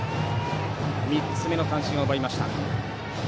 ３つ目の三振を奪いました。